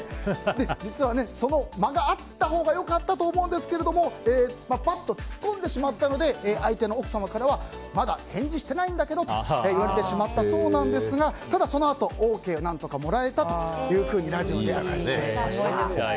実は、その間があったほうが良かったと思うんですがぱっと突っ込んでしまったので相手の奥様からはまだ返事してないんだけどと言われてしまったそうですがただ、そのあとＯＫを何とかもらえたというふうにラジオで話していました。